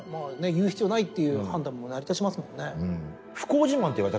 言う必要ないっていう判断も成り立ちますもんね。